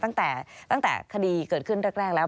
ตั้งแต่คดีเกิดขึ้นแรกแล้ว